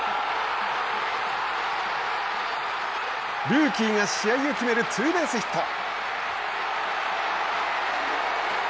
ルーキーが試合を決めるツーベースヒット。